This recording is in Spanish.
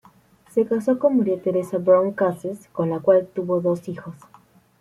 Se casó con María Teresa Brown Cases con la cual tuvo dos hijos.